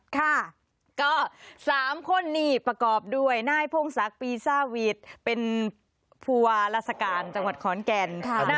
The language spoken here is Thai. ค่ะก็๓คนนี้ประกอบด้วยนายพงศักดิ์ปีซ่าวีทเป็นผู้ว่าราชการจังหวัดขอนแก่น